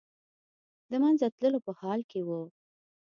د منځه تللو په حال کې و.